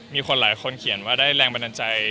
มีคนหลายคนเขียนว่าได้แรงบันดาลใจ